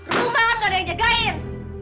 rumah gak ada yang jagain